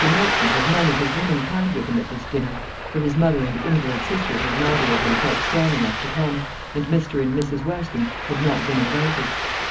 Marchmont had none of his womankind with him at this dinner; for his mother and invalid sister had neither of them felt strong enough to come, and Mr. and Mrs. Weston had not been invited.